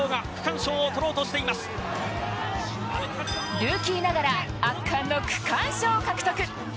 ルーキーながら圧巻の区間賞獲得。